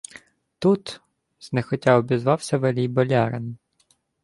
— Тут... — знехотя обізвався велій болярин.